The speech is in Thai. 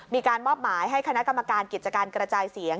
มีการมอบหมายให้คณะกรรมการกิจการกระจายเสียง